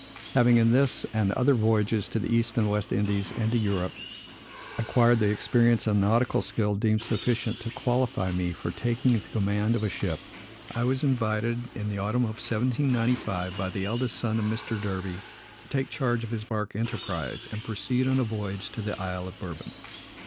Having in this, and other voyages to the East and West Indies and to Europe, acquired the experience and nautical skill deemed sufficient to qualify me for taking the command of a ship, I was invited, in the autumn of 1795, by the eldest son of Mr. Derby, to take charge of his bark Enterprise, and proceed on a voyage to the Isle of Bourbon.